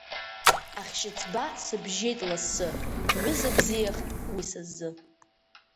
Ахьшьыцба сыбжьеит лассы, ҩыза бзиахт уи са сзы.